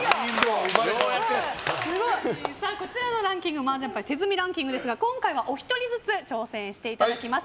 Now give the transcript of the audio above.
こちらの麻雀牌手積みランキング！ですが今回はお一人ずつ挑戦していただきます。